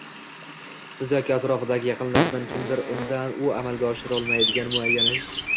siz yoki atrofidagi yaqinlaridan kimdir undan u amalga oshirolmaydigan muayyan ish.